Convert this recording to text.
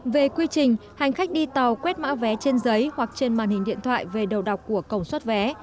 về quy trình hành khách đi tàu quét mã vé trên giấy hoặc trên màn hình điện thoại về đầu đọc của cổng suất vé